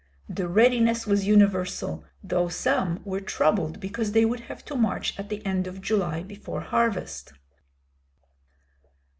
The readiness was universal, though some were troubled because they would have to march at the end of July before harvest.